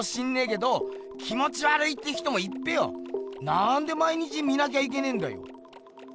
なんで毎日見なきゃいけねんだよ？